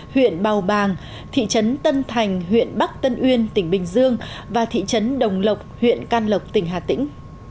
huyện bào bàng thị trấn tân thành huyện bắc tân uyên tỉnh bình dương và thị trấn đồng lộc huyện can lộc tỉnh hà tĩnh